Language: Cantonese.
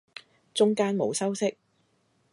中間冇修飾